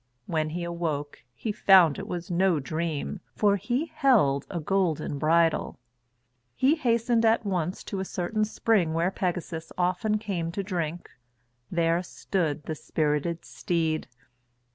When he awoke, he found it was no dream, for he held a golden bridle. He hastened at once to a certain spring where Pegasus often came to drink. There stood the spirited steed.